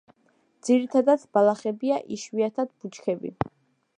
ძირითადად ბალახებია, იშვიათად ბუჩქები.